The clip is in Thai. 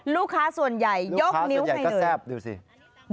ลูกค้าส่วนใหญ่ยกนิ้วให้ดื่ม